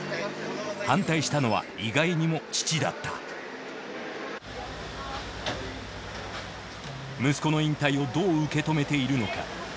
反対したのは意外にも父だった息子の引退をどう受け止めているのか？